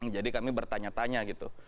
jadi kami bertanya tanya gitu